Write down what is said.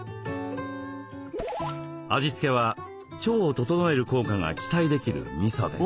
味付けは腸を整える効果が期待できるみそで。